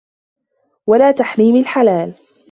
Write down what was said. وَلَا تَحْرِيمِ الْحَلَالِ